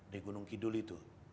di gunung kidul itu